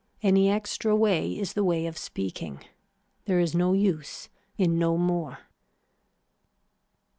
Any extra way is the way of speaking. There is no use in no more.